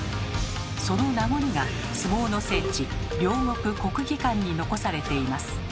その名残が相撲の聖地両国国技館に残されています。